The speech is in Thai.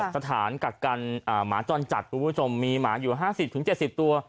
สถานกัดกันหมาจรจัดมีหมาอยู่๕๐๗๐ตัว